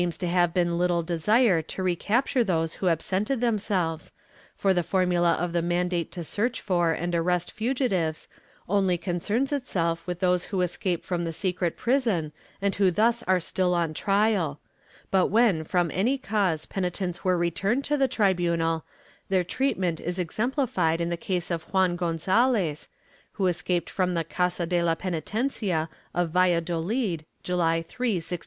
Ill] THE PENITENTIAL PRISON 167 to have been little desire to recapture those who absented them selves, for the formula of the mandate to search for and arrest fugitives only concerns itself with those who escape from the secret prison and who thus are still on trial/ but when from any cause penitents were returned to the tribunal, their treatment is exem plified in the case of Juan Gonzd, lez, who escaped from the casa de la penitencia of Valladolid, July 3, 1645.